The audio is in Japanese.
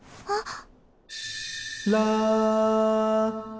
ああ。